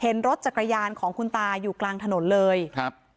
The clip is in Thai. รถจักรยานของคุณตาอยู่กลางถนนเลยครับ